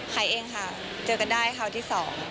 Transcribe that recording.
หายเองค่ะเจอกันได้คราวที่๒